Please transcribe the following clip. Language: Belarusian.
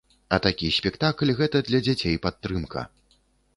А такі спектакль гэта для дзяцей падтрымка.